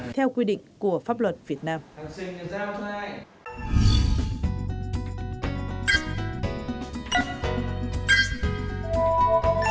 theo quy định của pháp luật việt nam